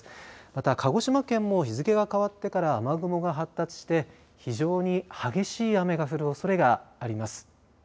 また、鹿児島県も日付が変わってから雨雲が発達して非常に激しい雨が降るおそれがあります。